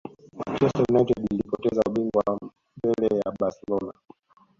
Manchester United ilipoteza bingwa mbele ya barcelona